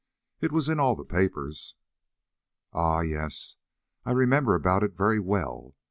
It was in all the papers." "Ah, yes; I remember about it very well.